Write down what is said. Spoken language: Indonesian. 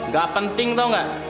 gak penting tau gak